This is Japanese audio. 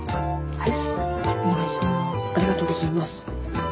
はい。